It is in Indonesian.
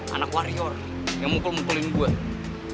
anak warrior yang mukul mukulin buat